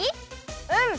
うん！